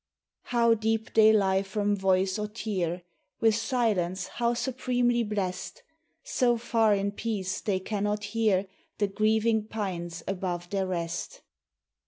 How deep they lie from voice or tear! With silence how supremely blest! So far in peace they cannot hear The grieving pines above their rest.